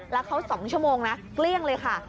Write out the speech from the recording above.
แล้วเขา๒ชั่วโมงนะเกลี้ยงเลยค่ะ